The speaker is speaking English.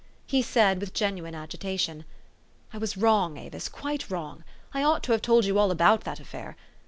He said with genuine agitation, " I was wrong, Avis, quite wrong. I ought to have told you all about that affair.